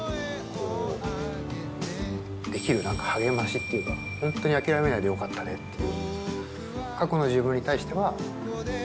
っていうかホントに諦めないでよかったねっていう。